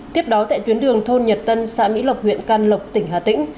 tiếp đó tại tuyến đường thôn nhật tân xã mỹ lộc huyện can lộc tỉnh hà tĩnh